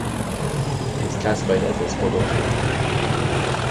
It is classified as a spodosol.